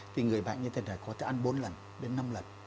thì người bệnh như thế này có thể ăn bốn lần đến năm lần